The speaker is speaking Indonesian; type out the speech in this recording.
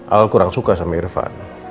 al kurang suka sama irfan